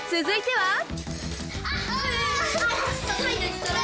続いては。